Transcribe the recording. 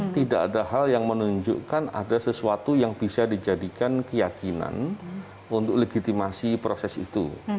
tidak ada hal yang menunjukkan ada sesuatu yang bisa dijadikan keyakinan untuk legitimasi proses itu